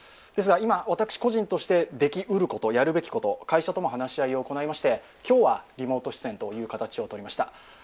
ですが、今、私個人としてできうること、やるべきこと、会社とも話し合いを行いまして今日はリモート出演という形を取りました。